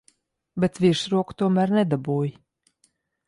Bet virsroku tomēr nedabūji.